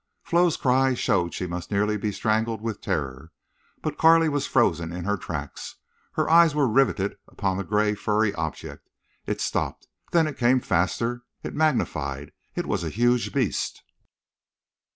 _" Flo's cry showed she must nearly be strangled with terror. But Carley was frozen in her tracks. Her eyes were riveted upon the gray furry object. It stopped. Then it came faster. It magnified. It was a huge beast.